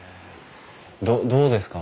どうですか？